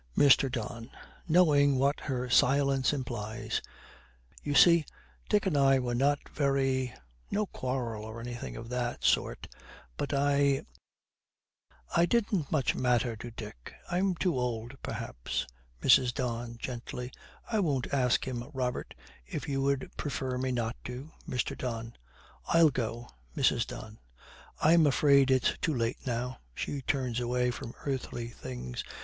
MR. DON, knowing what her silence implies, 'You see, Dick and I were not very no quarrel or anything of that sort but I, I didn't much matter to Dick. I'm too old, perhaps.' MRS. DON, gently, 'I won't ask him, Robert, if you would prefer me not to.' MR. DON. 'I'll go.' MRS. DON. 'I'm afraid it is too late now.' She turns away from earthly things.